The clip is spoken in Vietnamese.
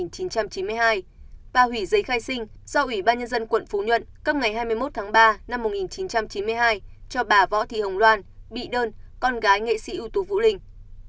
ba hủy giấy khai sinh do ủy ban nhân dân quận phú nhuận cấp ngày hai mươi một tháng ba năm một nghìn chín trăm chín mươi hai cho bà võ thị hồng loan bị đơn con gái nghệ sĩ ưu tú vũ linh